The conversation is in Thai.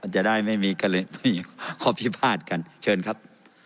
จะได้ไม่มีข้อพิพาทกันเชิญครับ